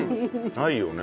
ないよね。